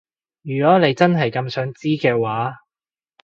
如果你真係咁想知嘅話